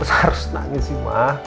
terus harus nangis sih mah